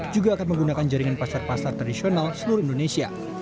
juga akan menggunakan jaringan pasar pasar tradisional seluruh indonesia